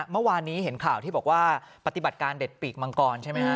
เมื่อวานนี้เห็นข่าวที่บอกว่าปฏิบัติการเด็ดปีกมังกรใช่ไหมฮะ